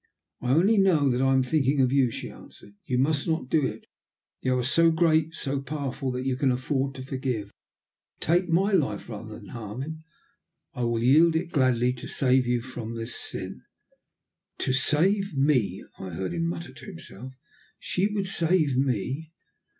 "I only know that I am thinking of you," she answered. "You must not do it! You are so great, so powerful, that you can afford to forgive. Take my life rather than harm him. I will yield it gladly to save you from this sin." "To save me," I heard him mutter to himself. "She would save me!"